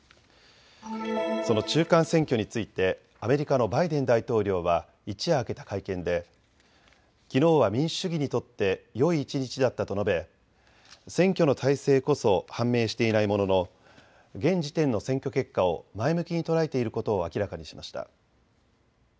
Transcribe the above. その中間選挙についてアメリカのバイデン大統領は一夜明けた会見で、きのうは民主主義にとってよい一日だったと述べ、選挙の大勢こそ判明していないものの、現時点の選挙結果を前向きに捉えていることを明らかにしました。